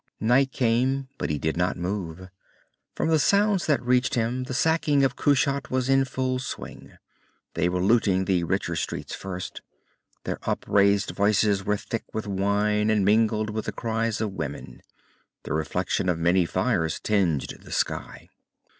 Night came, but he did not move. From the sounds that reached him, the sacking of Kushat was in full swing. They were looting the richer streets first. Their upraised voices were thick with wine, and mingled with the cries of women. The reflection of many fires tinged the sky.